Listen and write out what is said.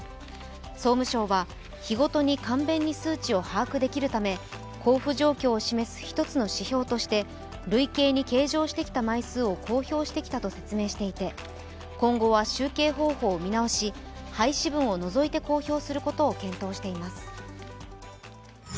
総務省は日ごとに簡便に数値を把握できるため、交付状況を示す一つの指標として累計に計上してきた枚数を公表してきたと説明していて今後は集計方法を見直し、廃止分を除いて公表することを検討しています。